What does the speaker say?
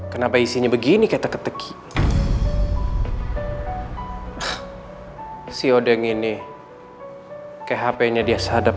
kenapa isinya begini kayak teketeki